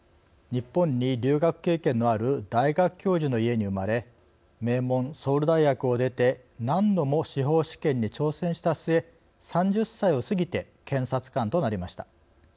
日本に留学経験のある大学教授の家に生まれ名門ソウル大学を出て何度も司法試験に挑戦した末３０歳を過ぎて検察官となりました。